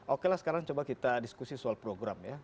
oke lah sekarang coba kita diskusi soal program ya